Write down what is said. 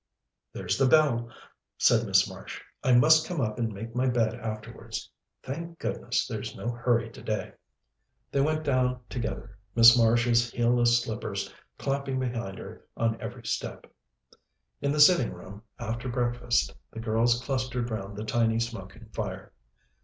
"There's the bell," said Miss Marsh; "I must come up and make my bed afterwards. Thank goodness, there's no hurry today." They went down together, Miss Marsh's heelless slippers clapping behind her on every step. In the sitting room after breakfast the girls clustered round the tiny smoking fire.